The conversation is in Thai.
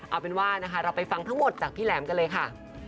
เอาเป็นว่านะคะเราไปฟังทั้งหมดจากพี่แหลมกันเลยค่ะ